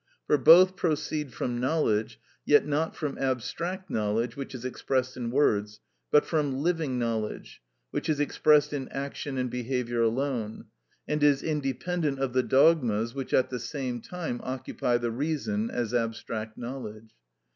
For both proceed from knowledge, yet not from abstract knowledge, which is expressed in words, but from living knowledge, which is expressed in action and behaviour alone, and is independent of the dogmas which at the same time occupy the reason as abstract knowledge.